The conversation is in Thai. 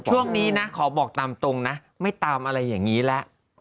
ช่วงนี้นะขอบอกตามตรงนะไม่ตามอะไรอย่างนี้แล้ว